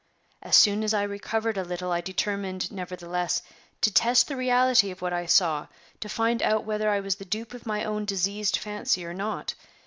As soon as I recovered a little, I determined, nevertheless, to test the reality of what I saw; to find out whether I was the dupe of my own diseased fancy or not.